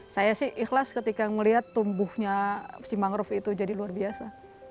saya sih ikhlas ketika melihat tumbuhnya si mangrove itu jadi luar biasa